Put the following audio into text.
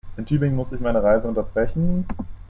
In Tübingen musste ich meine Reise unterbrechen